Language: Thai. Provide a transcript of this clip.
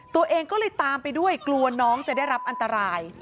ตัวเองก็เลยตามไปด้วยกลัวน้องจะได้รับอันตราย